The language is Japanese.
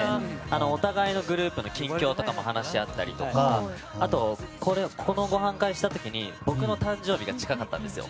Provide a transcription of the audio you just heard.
お互いのグループの近況とか話し合ったりとかこのごはん会をした時に僕の誕生日が近かったんですよ。